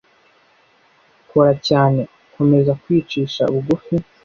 Kora cyane. Komeza kwicisha bugufi.